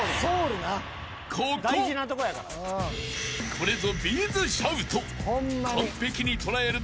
［これぞ］